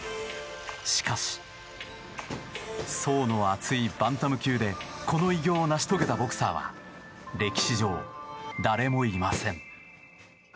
しかし、層の厚いバンタム級でこの偉業を成し遂げたボクサーは歴史上、誰もいません。